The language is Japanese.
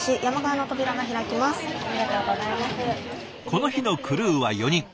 この日のクルーは４人。